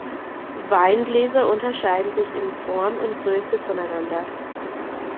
Weingläser unterscheiden sich in Form und Größe voneinander.